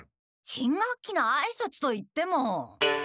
新学期のあいさつといっても。